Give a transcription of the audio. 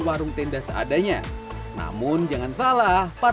warung tenda seadanya namun jangan salah